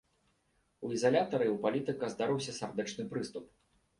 У ізалятары ў палітыка здарыўся сардэчны прыступ.